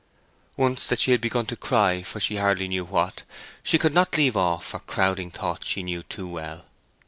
Once that she had begun to cry for she hardly knew what, she could not leave off for crowding thoughts she knew too well.